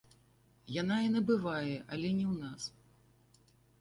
Яна і набывае, але не ў нас.